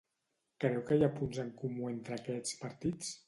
Creu que hi ha punts en comú entre aquests partits?